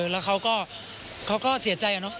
แล้วเขาก็เขาก็เสียใจอ่ะเนาะ